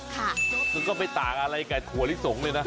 มันก็ไม่ต่างอะไรกับถั่วลิสงเลยนะ